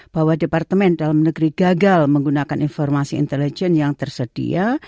bahwa departemen dalam negeri gagal menggunakan informasi intelijen yang tersedia